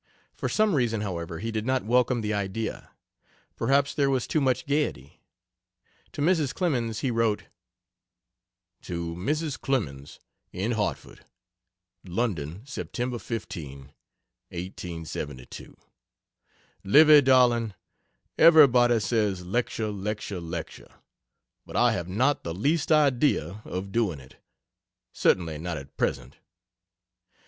For some reason, however, he did not welcome the idea; perhaps there was too much gaiety. To Mrs. Clemens he wrote: To Mrs. Clemens, in Hartford: LONDON, Sep. 15, 1872. Livy, darling, everybody says lecture lecture lecture but I have not the least idea of doing it certainly not at present.